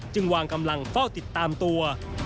จึงวางกำลังเฝ้าติดตามตัว